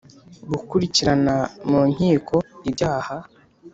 Gukurikirana mu nkiko ibyaha